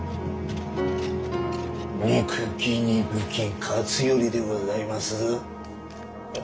憎き憎き勝頼でございますぞ。